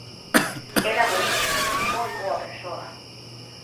Era boísimo, moi boa persoa.